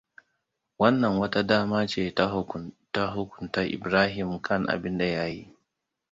Wannan wata dama ce ta hukunta Ibrahim kan abinda ya yi.